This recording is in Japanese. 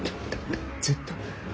ずっと。